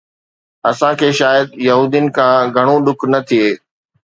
اسان کي شايد يهودين کان گهڻو ڏک نه ٿئي